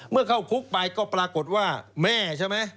เข้าคุกไปก็ปรากฏว่าแม่ใช่ไหม